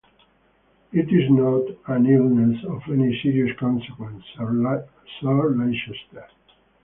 It is not an illness of any serious consequence, Sir Leicester.